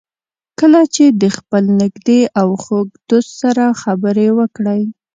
کله چې د خپل نږدې او خوږ دوست سره خبرې وکړئ.